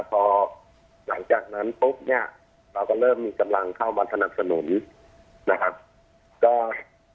พอหลังจากนั้นปุ๊บเนี่ยเราก็เริ่มมีกำลังเข้ามาสนับสนุนนะครับก็